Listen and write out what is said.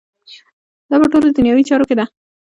دا په ټولو دنیوي چارو کې ده.